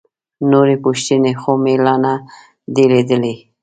نورې پوښتنې خو مې لا نه دي لیدلي.